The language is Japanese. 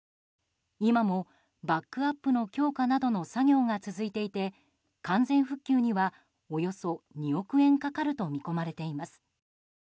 今も、バックアップの強化などの作業が続いていて完全復旧にはおよそ２億円かかると見込まれています。